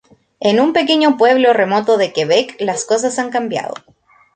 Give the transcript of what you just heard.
En un pequeño pueblo remoto de Quebec las cosas han cambiado.